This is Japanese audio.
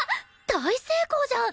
大成功じゃん！